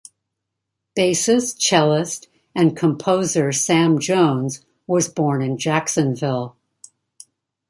Bassist, cellist, and composer Sam Jones was born in Jacksonville.